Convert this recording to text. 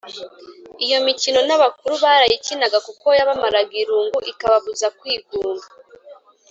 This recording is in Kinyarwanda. iyo mikino n’abakuru barayikinaga kuko yabamaraga irungu ikababuza kwigunga.